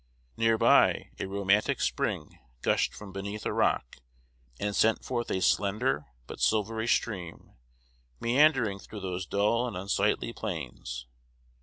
Near by, a "romantic spring" gushed from beneath a rock, and sent forth a slender but silvery stream, meandering through those dull and unsightly plains.